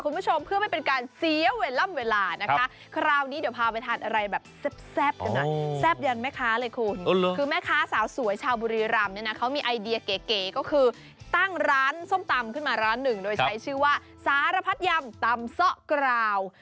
ขึ้นมาร้านหนึ่งโดยใช้ชื่อว่าสารพัดยำตำซะกราว